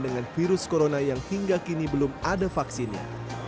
dengan virus corona yang hingga kini belum ada vaksinnya